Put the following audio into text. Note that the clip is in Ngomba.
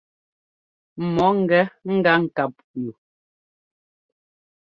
Mɔ ńgɛ gá ŋ́kap yu.